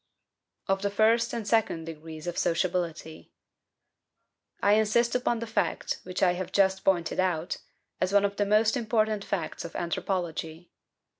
% 2. Of the first and second degrees of Sociability. I insist upon the fact, which I have just pointed out, as one of the most important facts of anthropology.